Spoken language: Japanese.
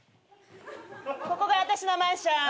ここが私のマンション。